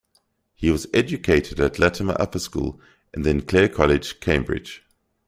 He was educated at Latymer Upper School and then Clare College, Cambridge.